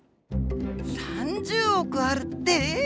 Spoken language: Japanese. ３０億あるって。